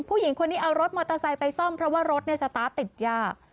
ผู้หญิงคนนี้เอารถมอเตอร์ไซค์ไปซ่อมเพราะว่ารถสตาร์ทติดยาก